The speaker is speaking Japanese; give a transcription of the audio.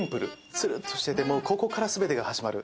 つるっとしててここから全てが始まる。